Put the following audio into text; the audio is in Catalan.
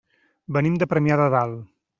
Venim de Premià de Dalt.